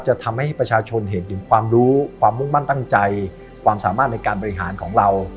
จะทำให้ประชาชนเห็นถึงความรู้ความมุ่งมั่นตั้งใจความสามารถในการบริหารของเรา